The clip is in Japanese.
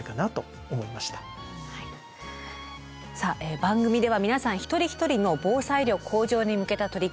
番組では皆さん一人一人の防災力向上に向けた取り組み